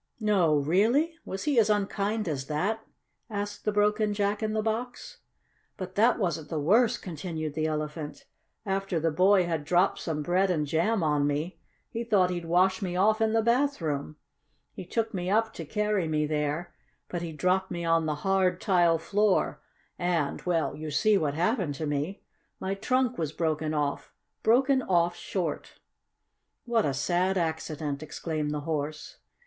"No! Really? Was he as unkind as that?" asked the broken Jack in the Box. "But that wasn't the worst," continued the Elephant. "After the boy had dropped some bread and jam on me, he thought he'd wash me off in the bath room. He took me up to carry me there, but he dropped me on the hard, tile floor and well, you see what happened to me. My trunk was broken off broken off short!" "What a sad accident!" exclaimed the Horse.